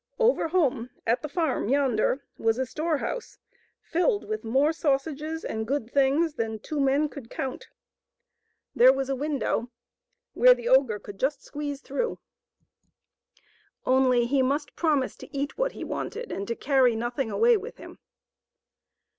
Over home at the farm yonder was a storehouse filled with more sausages and good things than two men could count. There was a window where the ogre could just squeeze through. Only 250 THE THREE LITTLE PIGS AND THE OGRE. he must promise to eat what he wanted and to cany nothing away with him.